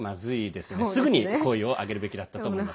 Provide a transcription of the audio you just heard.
すぐに声を上げるべきだったと思います。